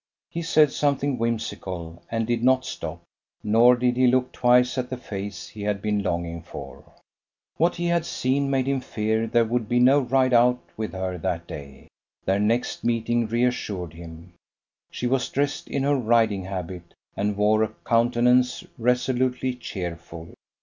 He said something whimsical, and did not stop, nor did he look twice at the face he had been longing for. What he had seen made him fear there would be no ride out with her that day. Their next meeting reassured him; she was dressed in her riding habit, and wore a countenance resolutely cheerful.